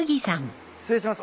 失礼します。